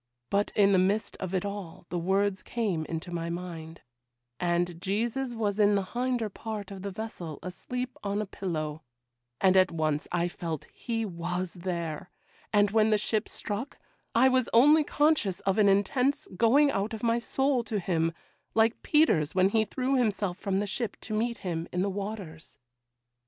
—but in the midst of it all the words came into my mind, "And Jesus was in the hinder part of the vessel asleep on a pillow," and at once I felt He was there; and when the ship struck, I was only conscious of an intense going out of my soul to Him, like Peter's when he threw himself from the ship to meet Him in the waters.